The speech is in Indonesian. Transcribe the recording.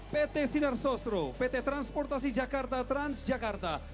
pt sinar sosro pt transportasi jakarta trans jakarta